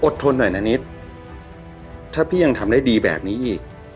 ทนหน่อยนะนิดถ้าพี่ยังทำได้ดีแบบนี้อีก